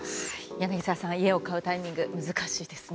柳澤さん、家を買うタイミング、難しいですね。